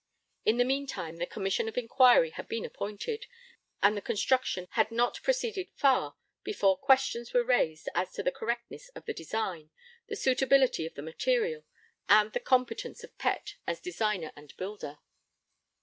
In the meantime the Commission of Inquiry had been appointed, and the construction had not proceeded far before questions were raised as to the correctness of the design, the suitability of the material, and the competence of Pett as designer and builder.